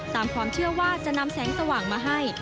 ตามความเชื่อว่าจะนำแสงสว่างมาให้